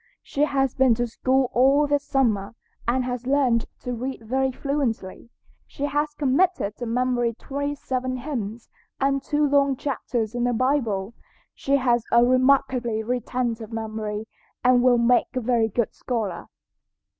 She has been to school all this summer, and has learned to read very fluently. She has committed to memory twenty seven hymns and two long chapters in the Bible. She has a remarkably retentive memory and will make a very good scholar."